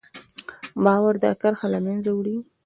باور دا کرښه له منځه وړي.